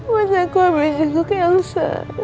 mas aku habis jenguk yang lusa